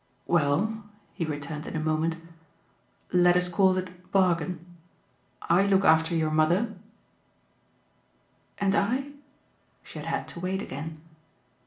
"Well," he returned in a moment, "let us call it a bargain. I look after your mother " "And I ?" She had had to wait again.